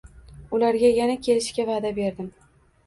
Ularga yana kelishga vaʼda berdim.